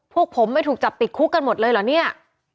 พวกผมไม่ถูกจับติดคุกกันหมดเลยเหรอเนี่ย